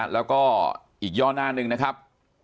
แล้วก็อีกย่อหน้าหนึ่งนะครับ